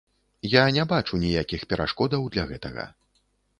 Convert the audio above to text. Я не бачу ніякіх перашкодаў для гэтага.